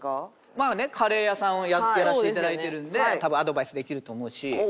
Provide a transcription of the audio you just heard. まあねカレー屋さんをやらしていただいてるんで多分アドバイスできると思うし。